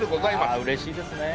うれしいですね。